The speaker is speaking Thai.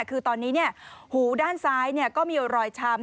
คือตอนนี้หูด้านซ้ายก็มีรอยช้ำ